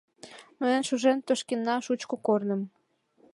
Ноен, шужен тошкенна шучко корным.